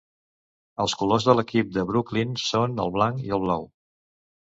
Els colors de l'equip de Brooklyn són el blanc i el blau.